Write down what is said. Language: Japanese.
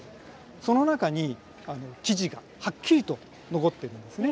その中に記事がはっきりと残ってるんですね。